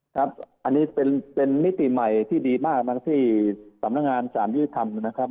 ครับอันนี้เป็นมิติใหม่ที่ดีมากนะครับที่สำนักงานสารยุติธรรมนะครับ